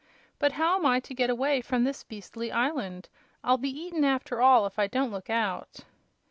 But how am I to get away from this beastly island? I'll be eaten, after all, if I don't look out!"